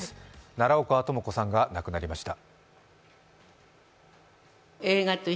奈良岡朋子さんが亡くなりました。